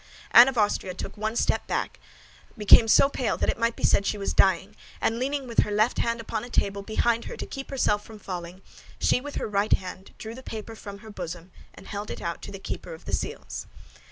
Anne of Austria took one step backward, became so pale that it might be said she was dying, and leaning with her left hand upon a table behind her to keep herself from falling, she with her right hand drew the paper from her bosom and held it out to the keeper of the seals.